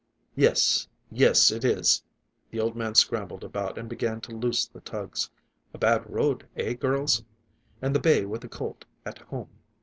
"Yes, yes, it is." The old man scrambled about and began to loose the tugs. "A bad road, eh, girls? And the bay with a colt at home!"